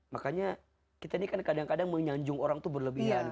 makanya kita ini kan kadang kadang menyanjung orang itu berlebihan